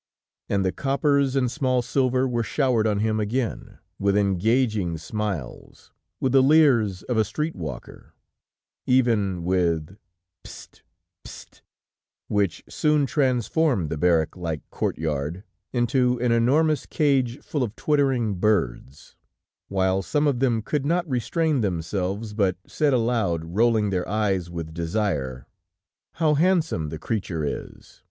And the coppers and small silver were showered on him again, with engaging smiles, with the leers of a street walker, even with: "p'st, p'st," which soon transformed the barrack like courtyard into an enormous cage full of twittering birds, while some of them could not restrain themselves, but said aloud, rolling their eyes with desire: "How handsome the creature is!